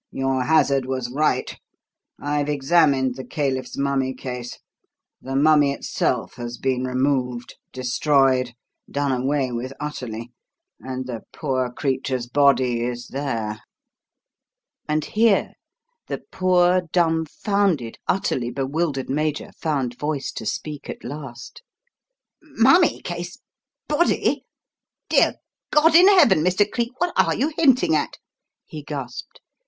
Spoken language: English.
Your hazard was right. I've examined the caliph's mummy case; the mummy itself has been removed destroyed done away with utterly and the poor creature's body is there!" And here the poor, dumfounded, utterly bewildered Major found voice to speak at last. "Mummy case! Body! Dear God in heaven, Mr. Cleek, what are you hinting at?" he gasped.